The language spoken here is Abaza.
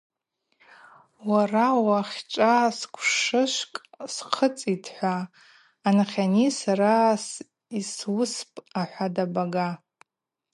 Уара – Уахьчӏва сквшышвкӏ схъыцӏитӏ, – хӏва, анахьани сара йсуыспӏ, – ахӏватӏ абага.